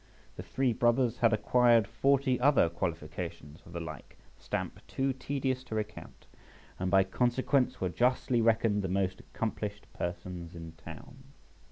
The three brothers had acquired forty other qualifications of the like stamp too tedious to recount, and by consequence were justly reckoned the most accomplished persons in town.